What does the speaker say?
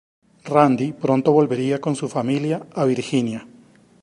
Randy pronto volvería con su familia a Virginia.